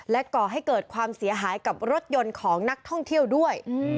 ก่อให้เกิดความเสียหายกับรถยนต์ของนักท่องเที่ยวด้วย